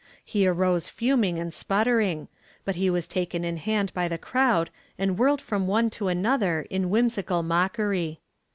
He arose fuming and sputtering, but he was taken in hand by the crowd and whirled from one to another in whimsical mockery.